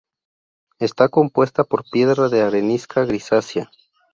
Está compuesta por piedra de arenisca grisácea.